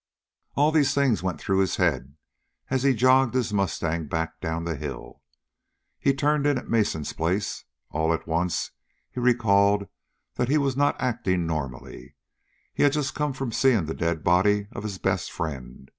All of these things went through his head, as he jogged his mustang back down the hill. He turned in at Mason's place. All at once he recalled that he was not acting normally. He had just come from seeing the dead body of his best friend.